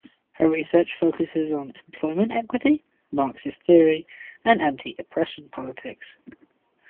Her research focuses on employment equity, Marxist theory and "anti-oppression politics".